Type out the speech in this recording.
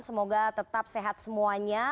semoga tetap sehat semuanya